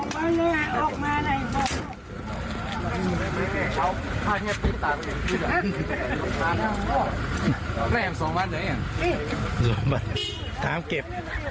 ๒วันถามเก็บ